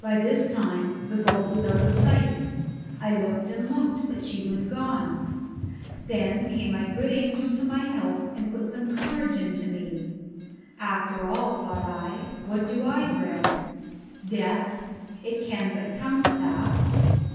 By this time the boat was out of sight. I looked and looked, but she was gone. Then came my good angel to my help and put some courage into me. "After all," thought I, "what do I dread? Death! it can but come to that.